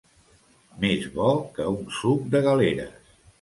Més bo que un suc de galeres.